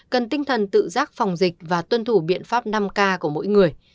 cần tinh thần tự giác phòng dịch và tuân thủ biện pháp năm k của mỗi người